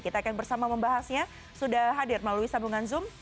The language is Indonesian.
kita akan bersama membahasnya sudah hadir melalui sambungan zoom